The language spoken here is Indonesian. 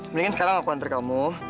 mendingan sekarang aku counter kamu